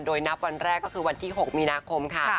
โดยนับวันแรกก็คือวันที่๖มีนาคมค่ะ